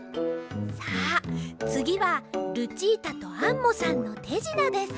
さあつぎはルチータとアンモさんのてじなです。